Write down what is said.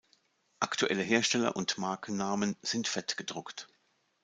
Aktuelle Hersteller und Markennamen sind fett gedruckt.